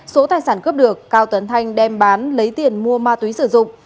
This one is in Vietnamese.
số tài sản cướp được cao tấn thanh đem bán lấy tiền mua ma túy sử dụng